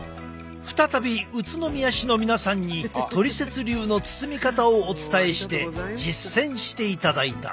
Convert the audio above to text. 再び宇都宮市の皆さんにトリセツ流の包み方をお伝えして実践していただいた。